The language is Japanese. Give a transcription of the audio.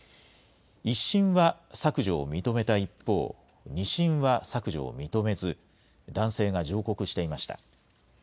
１審は削除を認めた一方、２審は削除を認めず、男性が上告していました。